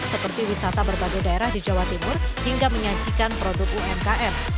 seperti wisata berbagai daerah di jawa timur hingga menyajikan produk umkm